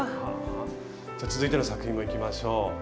じゃあ続いての作品もいきましょう。